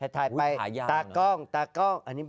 ถ่ายไปตากล้อง